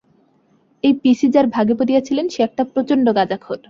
এই পিসি যার ভাগে পড়িয়াছিলেন সে একটা প্রচণ্ড গাঁজাখোর।